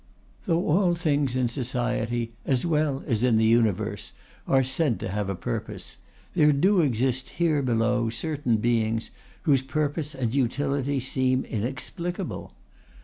Though all things in society as well as in the universe are said to have a purpose, there do exist here below certain beings whose purpose and utility seem inexplicable.